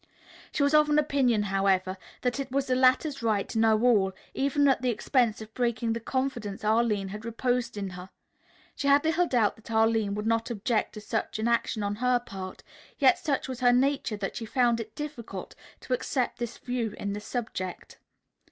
She was of the opinion, however, that it was the latter's right to know all, even at the expense of breaking the confidence Arline had reposed in her. She had little doubt that Arline would not object to such an action on her part, yet such was her nature that she found it difficult to accept this view of the subject.